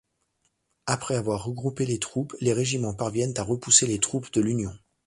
Après avoir regroupé les troupes, les régiments parviennent à repousser les troupes de l'Union.